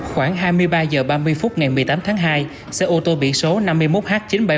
khoảng hai mươi ba h ba mươi phút ngày một mươi tám tháng hai xe ô tô biển số năm mươi một h chín mươi bảy nghìn bảy trăm một mươi một